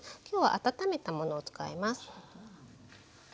きょうは温めたものを使います。